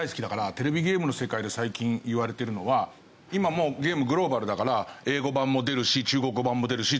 テレビゲームの世界で最近言われてるのは今もうゲームグローバルだから英語版も出るし中国語版も出るし